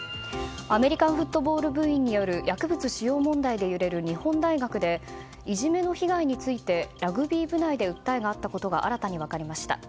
アメリカンフットボール部員による薬物使用問題で揺れる日本大学でいじめの被害についてラグビー部内で訴えがあったことが新たに分かりました。